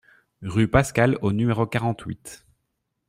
Rue Pascal au numéro quarante-huit